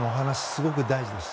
すごく大事です。